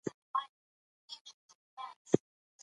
تاسو د خپل هیواد د دفاع او خپلواکۍ لپاره تل چمتو اوسئ.